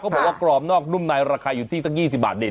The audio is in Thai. เขาก็บอกว่ากรอบนอกนุ่มในราคาอยู่ที่สัก๒๐บาทเนี่ย